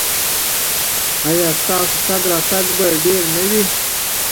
ایا ستاسو تګ راتګ به ډیر نه وي؟